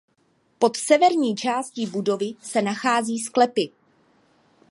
Pod severní částí budovy se nachází sklepy.